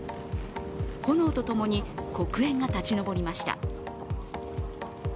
炎とともに黒煙が立ち上りました。